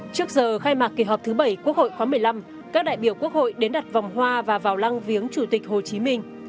trước giờ khai mạc kỳ họp thứ bảy quốc hội khóa một mươi năm các đại biểu quốc hội đến đặt vòng hoa và vào lăng viếng chủ tịch hồ chí minh